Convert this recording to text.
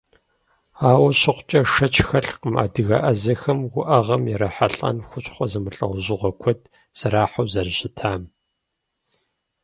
Ауэ щыхъукӏэ, шэч хэлъкъым адыгэ ӏэзэхэм уӏэгъэм ирахьэлӏэн хущхъуэ зэмылӏэужьыгъуэ куэд зэрахьэу зэрыщытам.